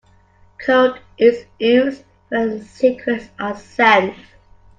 Code is used when secrets are sent.